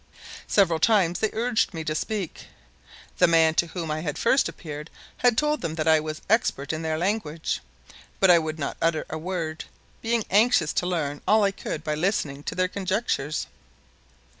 Several times they urged me to speak. The man to whom I had first appeared had told them that I was expert in their language. But I would not utter a word, being anxious to learn all I could by listening to their conjectures.